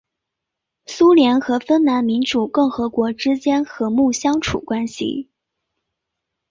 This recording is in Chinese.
苏联和芬兰民主共和国之间和睦相处关系。